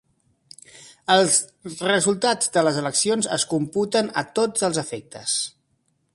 Els resultats de les eleccions es computen a tots els efectes.